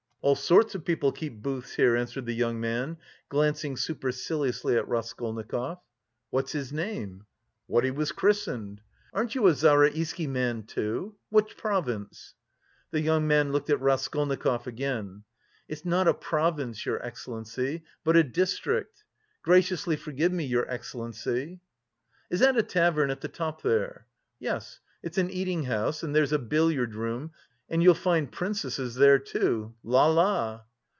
"All sorts of people keep booths here," answered the young man, glancing superciliously at Raskolnikov. "What's his name?" "What he was christened." "Aren't you a Zaraïsky man, too? Which province?" The young man looked at Raskolnikov again. "It's not a province, your excellency, but a district. Graciously forgive me, your excellency!" "Is that a tavern at the top there?" "Yes, it's an eating house and there's a billiard room and you'll find princesses there too.... La la!"